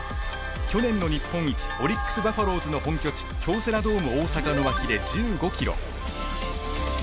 去年の日本一オリックス・バファローズの本拠地、京セラドーム大阪の脇で１５ｋｍ。